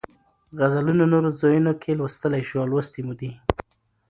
غزلونه نورو ځایونو کې لوستلی شو او لوستې مو دي.